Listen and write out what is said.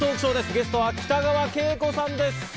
ゲストは北川景子さんです。